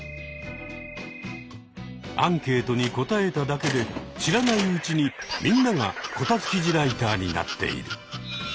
アンケートに答えただけで知らないうちにみんながこたつ記事ライターになっている。